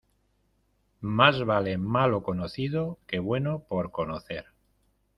Más vale malo conocido que bueno por conocer.